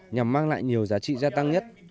nhằm mang lại nhiều giá trị gia tăng nhất